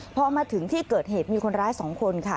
พอมาถึงที่เกิดเหตุมีคนร้าย๒คนค่ะ